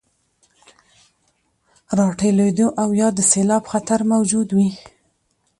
راټولېدو او يا د سيلاب خطر موجود وي،